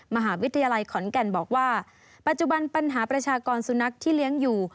มหาวิทยาลัยขอนแก่นบอกว่าปัจจุบันปัญหาประชากรสุนัขที่เลี้ยงอยู่